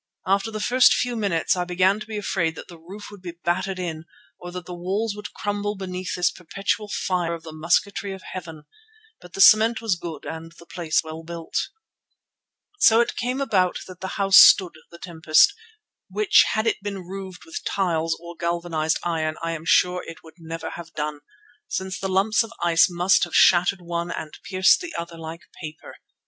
After the first few minutes I began to be afraid that the roof would be battered in, or that the walls would crumble beneath this perpetual fire of the musketry of heaven. But the cement was good and the place well built. So it came about that the house stood the tempest, which had it been roofed with tiles or galvanized iron I am sure it would never have done, since the lumps of ice must have shattered one and pierced the other like paper.